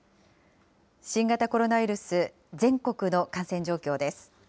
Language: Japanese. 新型コロナウイルス、全国の感染状況です。